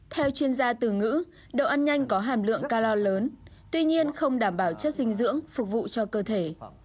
theo chuyên gia từ ngữ đồ ăn nhanh có hàm lượng calor lớn tuy nhiên không đảm bảo chất dinh dưỡng phục vụ cho cơ thể